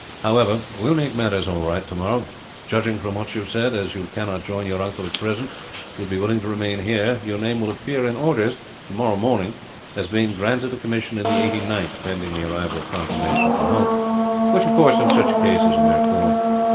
However, we will make matters all right, tomorrow. Judging from what you said that, as you cannot join your uncle at present, you would be willing to remain here, your name will appear in orders, tomorrow morning, as being granted a commission in the 89th, pending the arrival of confirmation from home; which of course, in such a case, is a mere form.